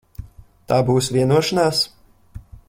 Tā būs vienošanās?